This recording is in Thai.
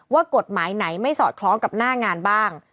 ว่ากฎหมายไหนไม่สอดคล้องกับหน้างานบ้าง